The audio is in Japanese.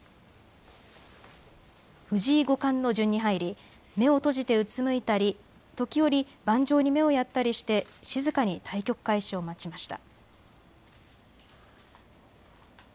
藤井五冠の順に入り目を閉じてうつむいたり時折、盤上に目をやったりして静かに対局開始を待ちました。